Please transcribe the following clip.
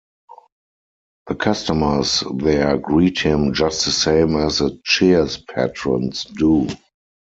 The customers there greet him just the same as the Cheers patrons do.